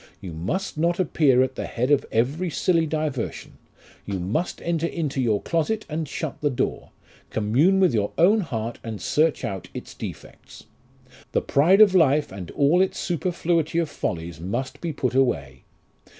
You must not appear at the head of every silly diversion, you must enter into your closet and shut the door, commune with your own heart and search out its defects. The pride of life and all its superfluity of follies must be put away.